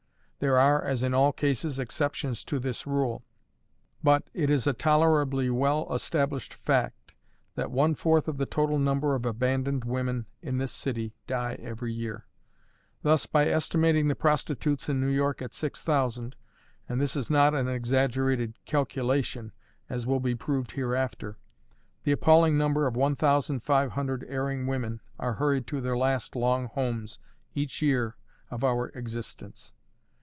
_ There are, as in all cases, exceptions to this rule, but it is a tolerably well established fact that one fourth of the total number of abandoned women in this city die every year. Thus, by estimating the prostitutes in New York at six thousand (and this is not an exaggerated calculation, as will be proved hereafter), the appalling number of one thousand five hundred erring women are hurried to their last, long homes each year of our existence.